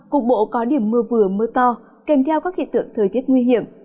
cục bộ có điểm mưa vừa mưa to kèm theo các hiện tượng thời tiết nguy hiểm